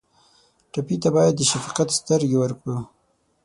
ټپي ته باید د شفقت سترګې ورکړو.